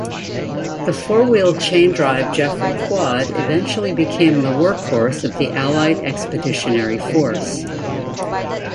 The four-wheel, chain-drive Jeffery Quad eventually became the workhorse of the Allied Expeditionary Force.